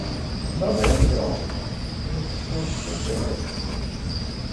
Dabai arī draudzīgi. Vietas jau tur pietiekami.